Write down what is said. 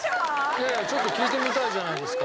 いやいやちょっと聴いてみたいじゃないですか。